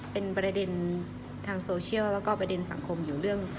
เป็นประเด็นทางโซเชียลแล้วก็ประเด็นสังคมอยู่เรื่อง